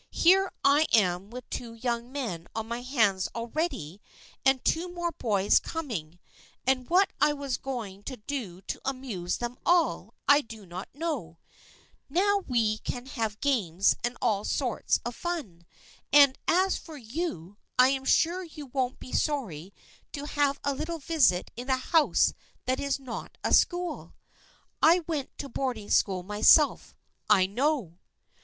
Here I am with two young men on my hands already and two more boys coming, and what I was going to do to amuse them all I did not know. Now we 132 THE FRIENDSHIP OF ANNE can have games and all sorts of fun, and as for you, I am sure you won't be sorry to have a little visit in a house that is not a school. I went to board ing school myself. / know